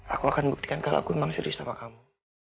aku akan buktikan kalo aku emang serius sama kamu